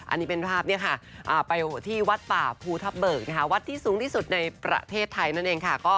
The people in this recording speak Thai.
อันนี้เป็นภาพไปที่วัดป่าภูทับเบิกวัดที่สูงที่สุดในประเทศไทยนั่นเองค่ะ